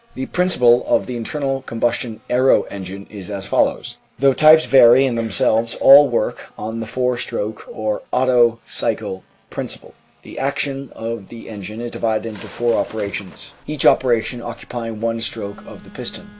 The principle of the internal combustion aero engine Applied Science is as follows. Though types vary in themselves all work on the four stroke or Otto cycle principle. The action of the engine is divided into four operations, each operation occupying one stroke of the piston.